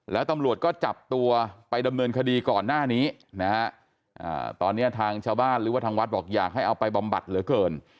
แล้วตำรวจก็จับตัวไปดำเนินคดีก่อนหน้านี้นะฮะตอนนี้ทางชาวบ้านหรือว่าทางวัดบอกอยากให้เอาไปบำบัดเหลือเกิน